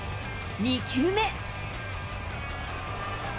２球目。